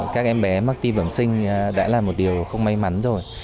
các em bé mắc tim bẩm sinh đã là một điều không may mắn rồi